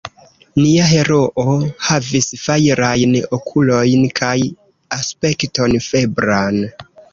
Nia heroo havis fajrajn okulojn kaj aspekton febran.